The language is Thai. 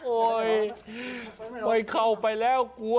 โอ๊ยไปเข้าไปแล้วกลัว